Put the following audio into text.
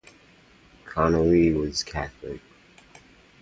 Connolly was Catholic.